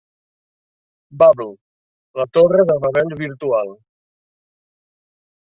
"Babble, la Torre de Babel Virtual".